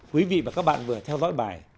quý vị và các bạn vừa theo dõi bài